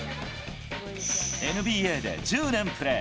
ＮＢＡで１０年プレー。